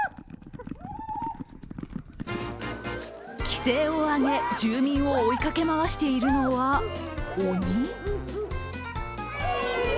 奇声を上げ、住民を追いかけ回しているのは鬼？